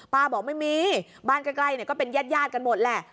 ป้าบอกไม่มีบ้านใกล้เนี่ยก็เป็นแย่ดกันหมดแหละ